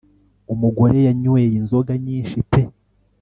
Umugore yanyweye inzoga nyinshi peee